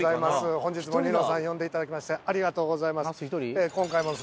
本日も『ニノさん』呼んでいただきましてありがとうございます